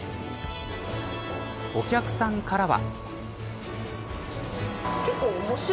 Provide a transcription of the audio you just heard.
お客さんからは。